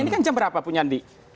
ini kan jam berapa punya andi